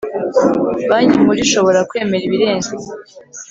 Banki Nkuru ishobora kwemera ibirenze